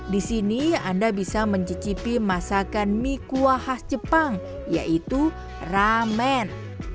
di sini anda bisa mencicipi masakan mie kuah khas jepang yaitu ramen